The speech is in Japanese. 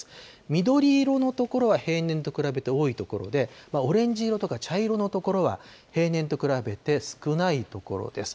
緑色の所は平年と比べて多い所で、オレンジ色や茶色い所は平年と比べて少ない所です。